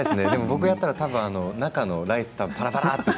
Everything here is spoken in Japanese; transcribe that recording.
僕やったら、たぶん中のライスパラパラって。